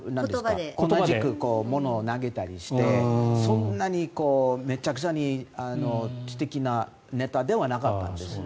物を投げたりしてそんなにめちゃくちゃに知的なネタではなかったんです。